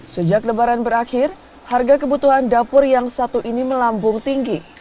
sejak lebaran berakhir harga kebutuhan dapur yang satu ini melambung tinggi